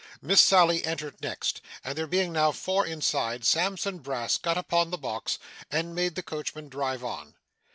Miss Sally entered next; and there being now four inside, Sampson Brass got upon the box, and made the coachman drive on.